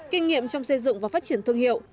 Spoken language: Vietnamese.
kinh nghiệm trong xây dựng và phát triển thương hiệu